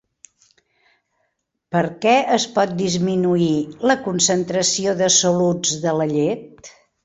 Per què es pot disminuir la concentració de soluts de la llet?